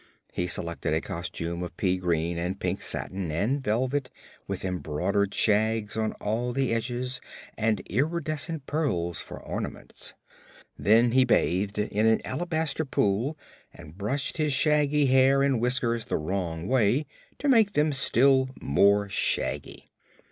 He selected a costume of pea green and pink satin and velvet, with embroidered shags on all the edges and iridescent pearls for ornaments. Then he bathed in an alabaster pool and brushed his shaggy hair and whiskers the wrong way to make them still more shaggy.